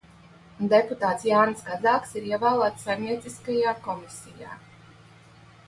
Deputāts Jānis Kazāks ir ievēlēts Saimnieciskajā komisijā.